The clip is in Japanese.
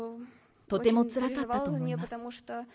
とてもつらかったと思います。